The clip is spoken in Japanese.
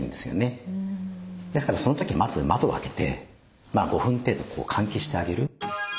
ですからその時まず窓を開けて５分程度換気してあげる。